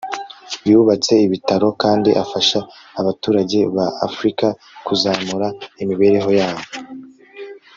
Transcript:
yubatse ibitaro kandi afasha abaturage ba afrika kuzamura imibereho yabo